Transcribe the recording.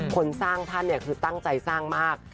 คนสร้างท่านเนี่ยคือตั้งใจสร้างมาก